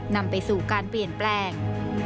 นำไปสู่การเปลี่ยนแปลง